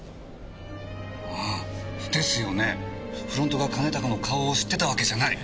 フロントが兼高の顔を知ってたわけじゃない！